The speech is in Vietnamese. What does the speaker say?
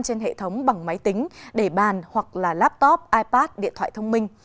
trên hệ thống bằng máy tính để bàn hoặc là laptop ipad điện thoại thông minh